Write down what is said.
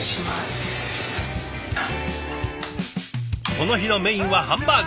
この日のメインはハンバーグ。